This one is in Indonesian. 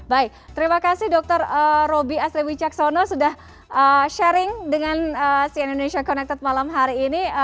baik terima kasih dokter roby asri wicaksono sudah sharing dengan cn indonesia connected malam hari ini